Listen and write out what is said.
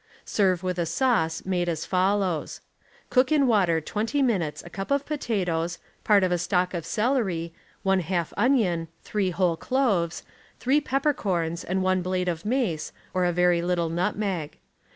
Serve with a sauce made as follows : Cook in water 20 minutes a cup of tomatoes, part of a stalk of celery, one half onion, three whole cloves, three pepper corns and one blade of mace or a very little nutmeg.